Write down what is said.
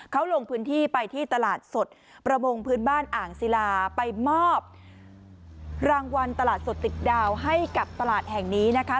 เขาลงพื้นที่ไปที่ตลาดสดประมงพื้นบ้านอ่างศิลาไปมอบรางวัลตลาดสดติดดาวให้กับตลาดแห่งนี้นะคะ